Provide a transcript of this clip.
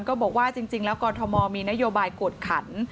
ก็บอกว่าจริงแล้วกรทมมีนโยบายกวดขัน